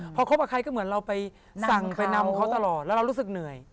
พอคบกับใครก็เหมือนเราไปสั่งไปนำเขาตลอดแล้วเรารู้สึกเหนื่อย